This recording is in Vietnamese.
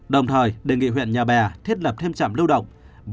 đồng thời đề nghị huyện nhà bè thiết lập thêm trạm lưu động